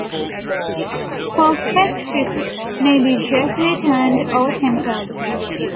Perfect fifths may be justly tuned or tempered.